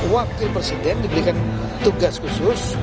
wakil presiden diberikan tugas khusus